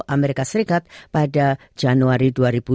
amerika serikat pada januari dua ribu dua puluh